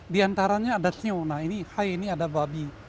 diantaranya ada snyu nah ini hai ini ada babi